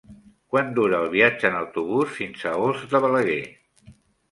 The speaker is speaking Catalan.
Quant dura el viatge en autobús fins a Os de Balaguer?